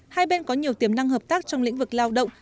hai bên có nhiều tiềm năng hợp tác trong lĩnh vực lao động